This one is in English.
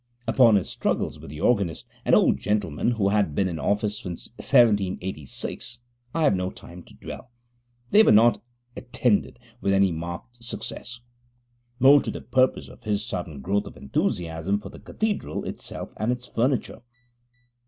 Upon his struggles with the organist, an old gentleman who had been in office since 1786, I have no time to dwell; they were not attended with any marked success. More to the purpose is his sudden growth of enthusiasm for the Cathedral itself and its furniture.